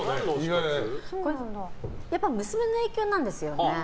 やっぱり娘の影響なんですよね。